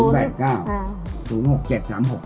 วันนี้ขอบคุณมากเลยขอบคุณแม่บู๊ด